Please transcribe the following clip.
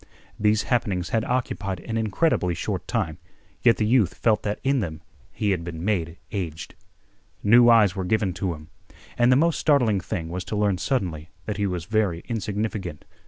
These happenings had occupied an incredibly short time, yet the youth felt that in them he had been made aged. New eyes were given to him. And the most startling thing was to learn suddenly that he was very insignificant.